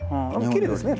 きれいですね